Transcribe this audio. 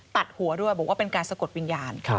ตัดหัวด้วยบอกว่าเป็นการสะกดวิญญาณ